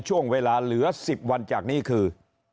ช่วงเวลาเหลือ๑๐วันจากนี้คือ